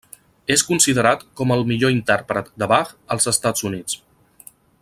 És considerat com el millor intèrpret de Bach als Estats Units.